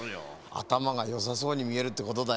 あたまがよさそうにみえるってことだよ。